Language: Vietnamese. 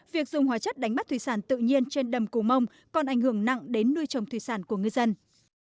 việc dùng hóa chất đánh bắt thủy sản tự nhiên trên đầm cù mông còn ảnh hưởng nặng đến nuôi trồng thủy sản của ngư dân